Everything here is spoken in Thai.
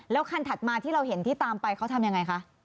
แล้วคันถัดมาที่เราเห็นที่ตามไปเขาทำยังไงคะ